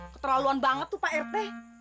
keterlaluan banget tuh pak rt